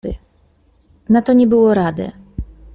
Na to nie było rady.